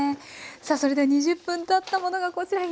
さあそれでは２０分たったものがこちら。